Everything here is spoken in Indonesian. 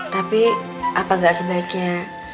tapi apa gak sebaiknya